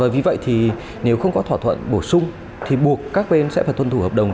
vì vậy nếu không có thỏa thuận bổ sung buộc các bên phải tuân thủ hợp đồng